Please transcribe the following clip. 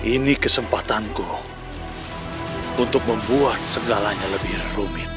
ini kesempatanku untuk membuat segalanya lebih rumit